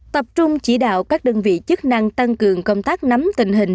tập trung chỉ đạo các đơn vị chức năng tăng cường công tác nắm tình hình